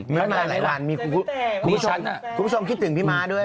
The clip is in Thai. ไม่มาหลายวันมีคุณผู้ชมคิดถึงพี่ม้าด้วย